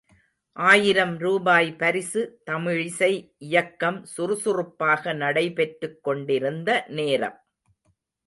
ஆயிரம் ரூபாய் பரிசு தமிழிசை இயக்கம் சுறுசுறுப்பாக நடைபெற்றுக் கொண்டிருந்த நேரம்.